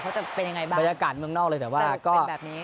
เขาจะเป็นยังไงบ้างพันธุ์เป็นแบบนี้